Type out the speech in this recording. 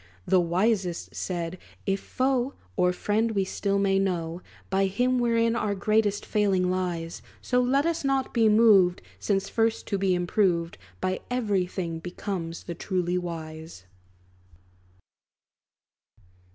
The wisest said, "If foe Or friend, we still may know By him, wherein our greatest failing lies. So, let us not be moved, Since first to be improved By every thing, becomes the truly wise."